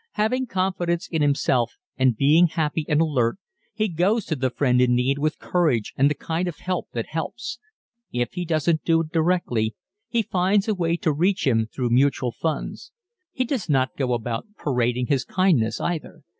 Having confidence in himself and being happy and alert he goes to the friend in need with courage and the kind of help that helps. If he doesn't do it directly he finds a way to reach him through mutual friends. He does not go about parading his kindness, either.